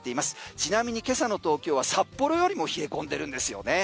ちなみに今朝の東京は札幌よりも冷え込んでるんですよね。